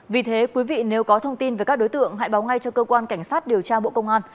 vì thế quý vị nếu có thông tin về các đối tượng hãy báo ngay cho cơ quan cảnh sát điều tra bộ công an